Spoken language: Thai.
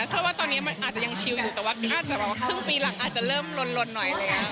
เพราะว่าตอนเนี้ยมันอาจจะยังชิลอยู่แต่ว่าอาจจะแบบว่าครึ่งปีหลังอาจจะเริ่มลนลนหน่อยเลยอ่ะ